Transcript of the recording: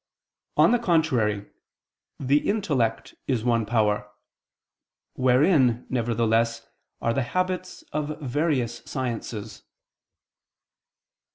On the contrary, The intellect is one power; wherein, nevertheless, are the habits of various sciences.